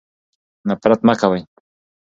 نفرت مه کوئ.